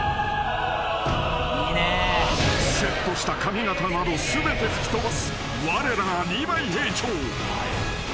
［セットした髪形など全て吹き飛ばすわれらがリヴァイ兵長］